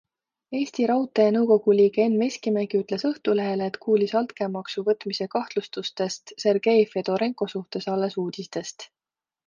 Eesti Raudtee nõukogu liige Enn Veskimägi ütles Õhtulehele, et kuulis altkäemaksu võtmise kahtlustustest Sergei Fedorenko suhtes alles uudistest.